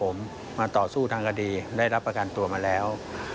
ผมมาต่อสู้ทางคดีได้รับประกันตัวมาแล้ว